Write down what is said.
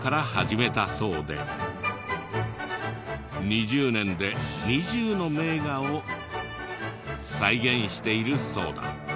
２０年で２０の名画を再現しているそうだ。